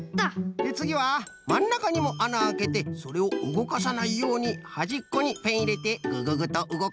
でつぎはまんなかにもあなあけてそれをうごかさないようにはじっこにペンいれてグググッとうごかすと。